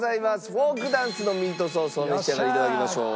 フォークダンスのミートソースをお召し上がりいただきましょう。